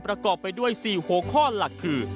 ประกอบไปด้วย๔หัวข้อหลักคือ